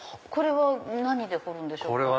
これは何で彫るんでしょうか？